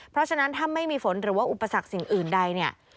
เพราะฉะนั้นถ้าไม่มีฝนหรือว่าอุปสรรคสิ่งอื่นใดเนี่ย